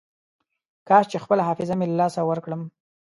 کاش چې خپله حافظه مې له لاسه ورکړم.